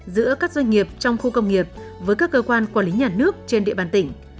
giữa các doanh nghiệp trong khu công nghiệp với các cơ quan quản lý nhà nước trên địa bàn tỉnh